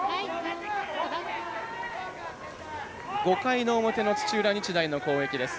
５回の表の土浦日大の攻撃です。